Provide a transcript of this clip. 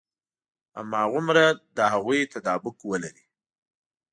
هماغومره له هغوی تطابق ولري.